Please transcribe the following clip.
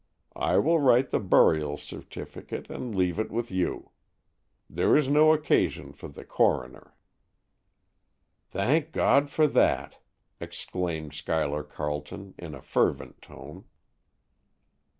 I will write the burial certificate and leave it with you. There is no occasion for the coroner." "Thank God for that!" exclaimed Schuyler Carleton, in a fervent tone.